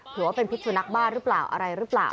ว่าเป็นพิษสุนัขบ้าหรือเปล่าอะไรหรือเปล่า